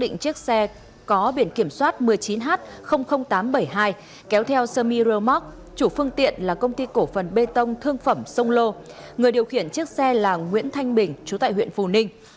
điều khiển chiếc xe có biển kiểm soát một mươi chín h tám trăm bảy mươi hai kéo theo samira mark chủ phương tiện là công ty cổ phần bê tông thương phẩm sông lô người điều khiển chiếc xe là nguyễn thanh bình trú tại huyện phù ninh